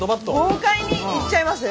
豪快にいっちゃいます？